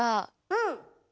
うん。